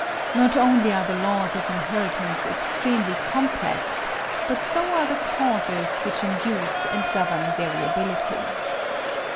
Not only are the laws of inheritance extremely complex, but so are the causes which induce and govern variability.